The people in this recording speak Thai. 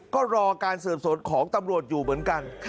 ก็รอการสืบสวนของตำรวจอยู่เหมือนกัน